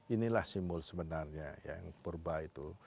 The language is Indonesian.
inilah simbol sebenarnya yang purba itu